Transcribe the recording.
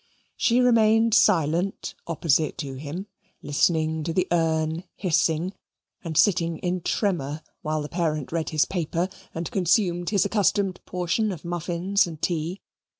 She remained silent opposite to him, listening to the urn hissing, and sitting in tremor while the parent read his paper and consumed his accustomed portion of muffins and tea.